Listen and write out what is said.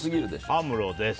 アムロです。